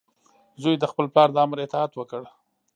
زوی د خپل پلار د امر اطاعت وکړ.